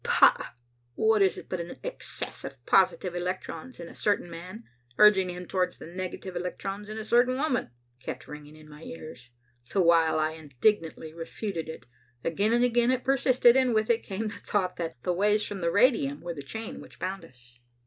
Pah! What is it but an excess of positive electrons in a certain man, urging him towards the negative electrons in a certain woman?" kept ringing in my ears, the while I indignantly refuted it. Again and again it persisted, and with it came the thought that the waves from the radium were the chain which bound us.